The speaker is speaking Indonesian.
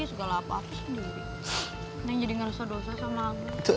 neng jadi ngerasa dosa sama aku